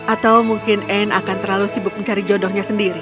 atau mungkin anne akan terlalu sibuk mencari jodohnya sendiri